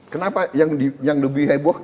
kenapa yang lebih heboh